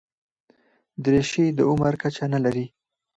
دریشي د عمر کچه نه لري.